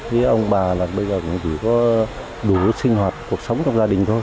với ông bà là bây giờ cũng chỉ có đủ sinh hoạt cuộc sống trong gia đình thôi